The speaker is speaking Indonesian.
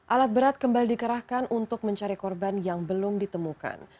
alat berat kembali dikerahkan untuk mencari korban yang belum ditemukan